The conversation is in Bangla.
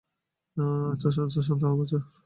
আচ্ছা, আচ্ছা, শান্ত হও, বাচ্চারা।